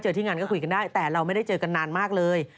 ที่งานก็คุยกันได้แต่เราไม่ได้เจอกันนานมากเลย